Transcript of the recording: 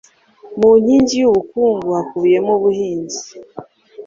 Mu nkingi y ubukungu hakubiyemo ubuhinzi